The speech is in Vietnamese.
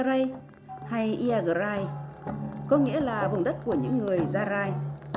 gia rai hay yagrai có nghĩa là vùng đất của những người gia rai